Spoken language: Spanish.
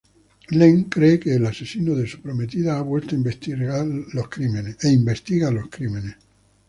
Len cree que el asesino de su prometida ha vuelto e investiga los crímenes.